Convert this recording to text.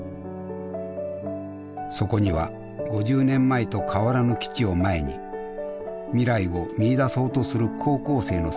そこには５０年前と変わらぬ基地を前に未来を見いだそうとする高校生の姿がありました。